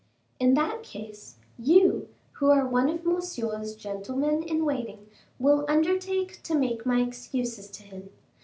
"In that case, you, who are one of Monsieur's gentlemen in waiting, will undertake to make my excuses to him.